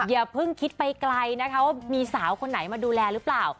อย่าเพิ่งคิดไปไกลนะคะว่ามีสาวคนไหนมาดูแลหรือเปล่า